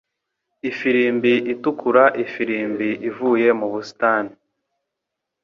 Ifirimbi itukura ifirimbi ivuye mu busitani;